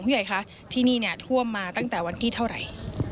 ใหญ่คะที่นี่เนี่ยท่วมมาตั้งแต่วันที่เท่าไหร่